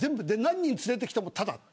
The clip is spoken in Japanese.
何人連れてきても、ただ。